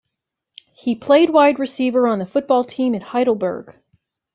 He played wide receiver on the football team at Heidelberg.